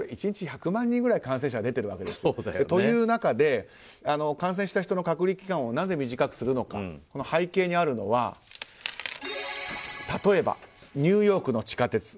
１日１００万人ぐらい感染者が出ているんですよね。というの中で感染した人の隔離期間をなぜ短くするのかこの背景にあるのは例えば、ニューヨークの地下鉄。